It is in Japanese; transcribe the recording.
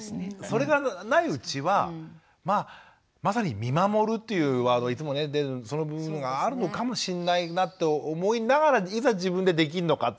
それがないうちはまあまさに見守るというワードがいつもね出るその部分があるのかもしんないなと思いながらいざ自分でできんのかと思うんですよ。